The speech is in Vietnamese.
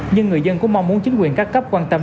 nhưng người dân cũng mong muốn chính quyền các cấp quan tâm